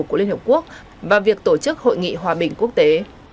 của liên hợp quốc và việc tổ chức hội nghị hòa bình quốc tế